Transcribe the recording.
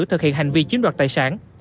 thực hiện hành vi chiếm đoạt tài sản